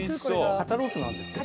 肩ロースなんですけど。